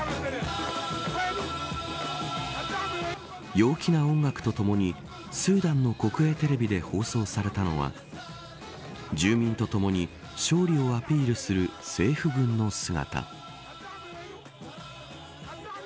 陽気な音楽とともにスーダンの国営テレビで放送されたのは住民とともに、勝利をアピールする政府軍の姿。